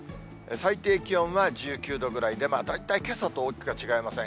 最低気温は１９度ぐらいで、大体けさと大きくは違いません。